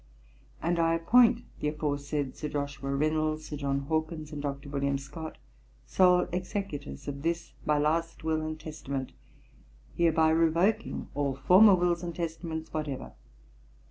And I appoint the aforesaid Sir Joshua Reynolds, Sir John Hawkins, and Dr. William Scott, sole executors of this my last will and testament, hereby revoking all former wills and testaments whatever.